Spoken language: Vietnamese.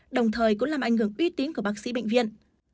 đồng thời cũng làm ảnh hưởng uy tín của bác sĩ bệnh viện